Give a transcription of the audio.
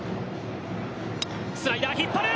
スライダー、引っ張る。